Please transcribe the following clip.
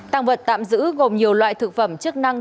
tăng vật tạm giữ gồm nhiều loại thực phẩm chức năng